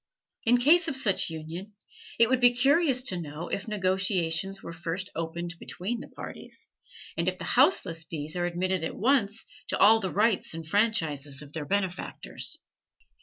In case of such union, it would be curious to know if negotiations were first opened between the parties, and if the houseless bees are admitted at once to all the rights and franchises of their benefactors.